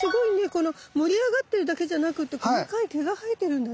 この盛り上がってるだけじゃなくて細かい毛が生えてるんだね。